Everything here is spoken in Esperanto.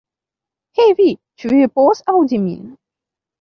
Hej vi, ĉu vi povas aŭdi min?